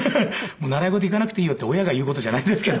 もう習い事行かなくていいよって親が言う事じゃないんですけど。